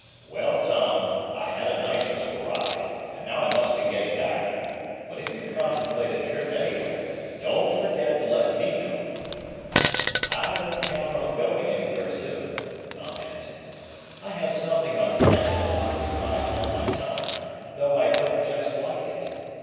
"Well, Tom, I had a nice little ride. And now I must be getting back. But if you contemplate a trip anywhere, don't forget to let me know." "I don't count on going anywhere soon," Tom answered. "I have something on hand that will occupy all my time, though I don't just like it.